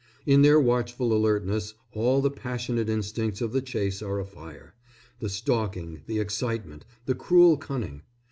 In their watchful alertness all the passionate instincts of the chase are afire, the stalking, the excitement, the cruel cunning.